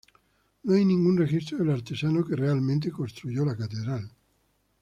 No hay ningún registro del artesano que realmente construyó la catedral.